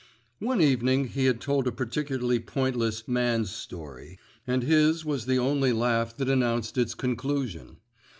One evening he had told a particularly pointless "man's story," and his was the only laugh that announced its conclusion.